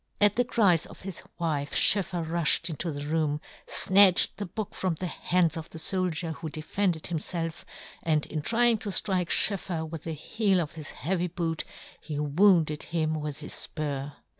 At the cries of his wife Schoeffer rufhed into the room, fnatched the book from the hands of the foldier, who defended himfelf, and in trying to' ftrike Schoeffer with the heel of his heavy boot, he wounded him with his fpur.